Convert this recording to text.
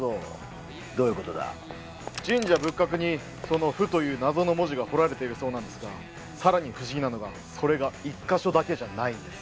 どういうことだ神社仏閣にその「不」という謎の文字が彫られているそうなんですがさらに不思議なのがそれが１カ所だけじゃないんです